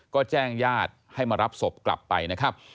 ก็แจ้งญาติให้มารับศพกลับไปนะครับ